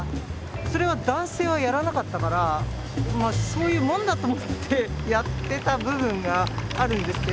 それは男性はやらなかったからまあそういうもんだと思ってやってた部分があるんですけど。